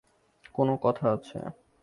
কোনো কথা আছে?